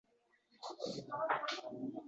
Bolakay, ha, ogʻritdi dedi.